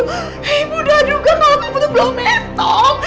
kamu tuh belum mentok